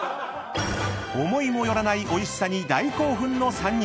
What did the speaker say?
［思いも寄らないおいしさに大興奮の３人］